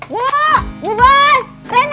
bu bu bas rena